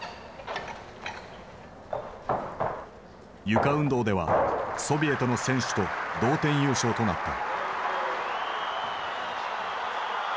床運動ではソビエトの選手と同点優勝となった。